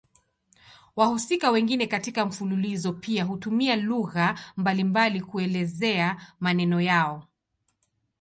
Wahusika wengine katika mfululizo pia hutumia lugha mbalimbali kuelezea maneno yao.